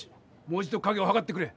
もう一度影をはかってくれ！